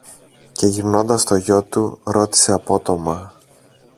Και γυρνώντας στο γιο του ρώτησε απότομα